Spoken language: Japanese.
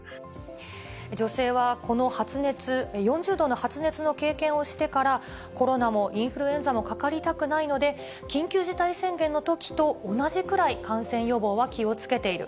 女性はこの発熱、４０度の発熱の経験をしてから、コロナもインフルエンザもかかりたくないので、緊急事態宣言のときと同じくらい感染予防には気をつけている。